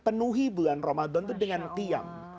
penuhi bulan ramadan itu dengan diam